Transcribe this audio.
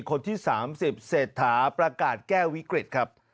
คนที่๓๐เศรษฐาประกาศแก้วิกฤตครับ